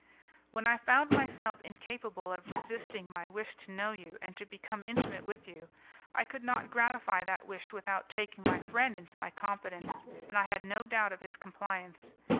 "When I found myself incapable of resisting my wish to know you and to become intimate with you, I could not gratify that wish without taking my friend into my confidence, and I had no doubt of his compliance.